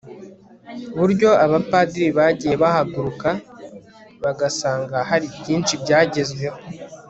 buryo abapadiri bagiye bahagaruka bagasanga hari byinshi byagezweho